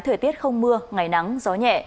thời tiết không mưa ngày nắng gió nhẹ